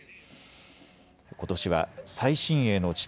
ことしは最新鋭の地